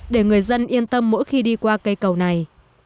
để người dân yên tâm mỗi khi đi qua cây cầu này